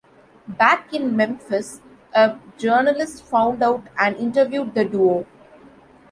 Back in Memphis, a journalist found out and interviewed the duo.